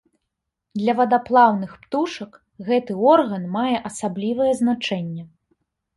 Для вадаплаўных птушак гэты орган мае асаблівае значэнне.